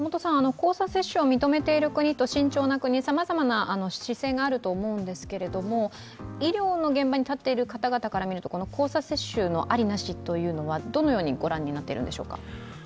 交差接種を認めている国と慎重な国さまざまな姿勢があると思うんですけれども、医療の現場に立っている方々から見ると、交差接種のありなしはどのように御覧になっているんでしょうか。